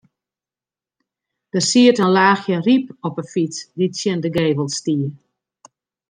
Der siet in laachje ryp op 'e fyts dy't tsjin de gevel stie.